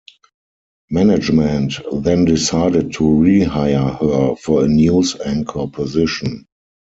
Management then decided to rehire her for a news anchor position.